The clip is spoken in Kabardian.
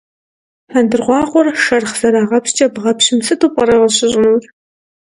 Хьэндыркъуакъуэр шэрхъ зэрагъэпщкӏэ бгъэпщым сыту пӏэрэ къыщыщӏынур?